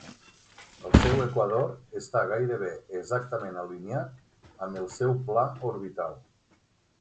El seu equador està gairebé exactament alineat amb el seu pla orbital.